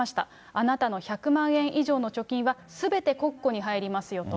あなたの１００万円以上の貯金は、すべて国庫に入りますよと。